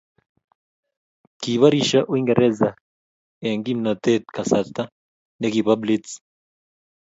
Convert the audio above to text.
Kiborisho Uingereza eng kimnotee kasata ne ki bo Blitz.